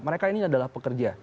mereka ini adalah pekerja